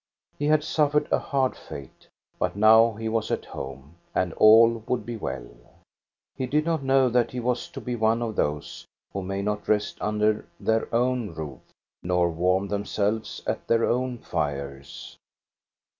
He had suffered a hard fate; but now he was at home, and all would be well. He did not know that he was to be one of those who may not rest under their own roof, nor warm themselves at their own fires.